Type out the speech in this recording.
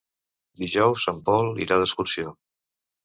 Dijous en Pol irà d'excursió.